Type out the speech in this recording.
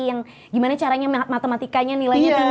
yang gimana caranya matematikanya nilainya tinggi